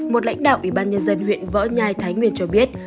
một lãnh đạo ủy ban nhân dân huyện võ nhai thái nguyên cho biết